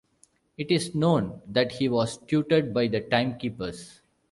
It is known that he was tutored by the Time-Keepers.